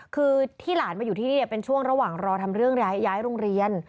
คือที่หลานมาอยู่ที่นี่เป็นช่วงระหว่างรอทำเรื่องย้ายโรงเรียน